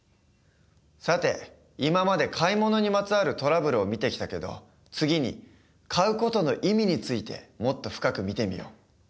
さて今まで買い物にまつわるトラブルを見てきたけど次に買う事の意味についてもっと深く見てみよう。